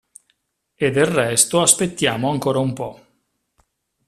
E del resto aspettiamo ancora un po'.